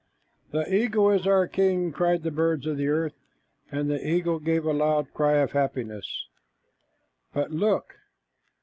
"The eagle is our king," cried the birds on the earth, and the eagle gave a loud cry of happiness. But look!